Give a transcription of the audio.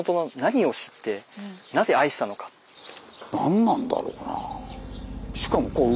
何なんだろうなあ？